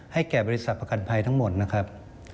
แก่บริษัทประกันภัยทั้งหมดนะครับ